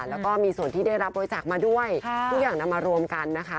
แล้วก็มีส่วนที่ได้รับบริจาคมาด้วยทุกอย่างนำมารวมกันนะคะ